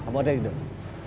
kamu ada hidup